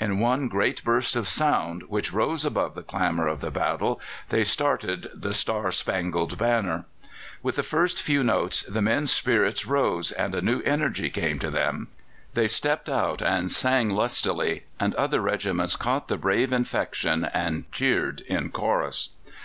In one great burst of sound, which rose above the clamour of the battle, they started "The Star spangled Banner." With the first few notes the men's spirits rose and a new energy came to them. They stepped out and sang lustily, and other regiments caught the brave infection and cheered in chorus.